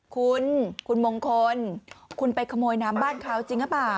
คุณคุณมงคลคุณไปขโมยน้ำบ้านเขาจริงหรือเปล่า